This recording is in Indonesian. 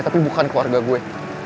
tapi bukan keluarga gue